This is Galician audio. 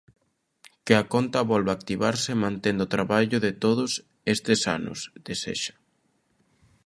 Que a conta volva activarse mantendo o traballo de todos estes anos, desexa.